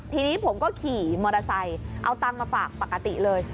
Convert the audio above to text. ทีนี้ผมก็ขี่มอเตอร์ไซค์เอาตังค์มาฝากปกติเลย